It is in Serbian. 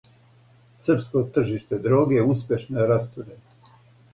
Српско тржиште дроге успешно је растурено.